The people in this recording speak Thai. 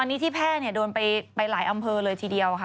อันนี้ที่แพร่โดนไปหลายอำเภอเลยทีเดียวค่ะ